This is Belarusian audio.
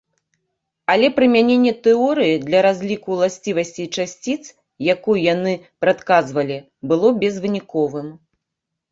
Але прымяненне тэорыі для разліку ўласцівасцей часціц, якую яны прадказвалі, было безвыніковым.